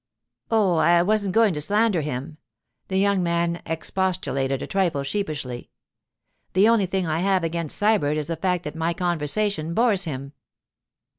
'Oh, I wasn't going to slander him,' the young man expostulated a trifle sheepishly. 'The only thing I have against Sybert is the fact that my conversation bores him.